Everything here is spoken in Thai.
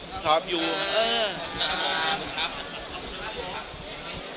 ให้ข้อมูลใครอะ